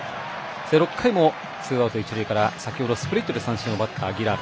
６回も、ツーアウト、一塁から先ほどスプリットで三振を奪ったアギラール。